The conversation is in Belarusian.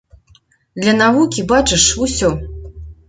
Для навукі, бачыш, усё.